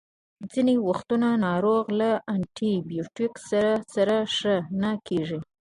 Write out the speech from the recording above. ځینې وختونه ناروغ له انټي بیوټیکو سره سره ښه نه کیږي.